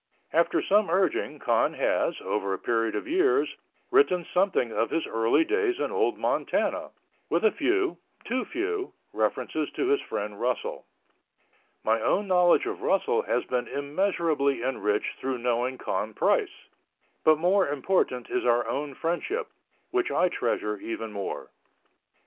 After some urging Con has, over a period of years, written something of his early days in Old Montana, with a few, too few, references to his friend Russell. My own knowledge of Russell has been immeasurably enriched through knowing Con Price, but more important is our own friendship, which I treasure even more.